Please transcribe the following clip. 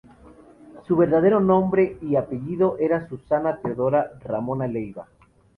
Su verdadero nombre y apellido era Susana Teodora Ramona Leiva.